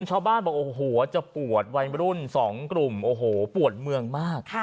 ชาวบ้านบอกโอ้โหจะปวดวัยรุ่น๒กลุ่มโอ้โหปวดเมืองมาก